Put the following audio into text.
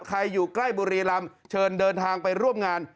อยู่ใกล้บุรีรำเชิญเดินทางไปร่วมงาน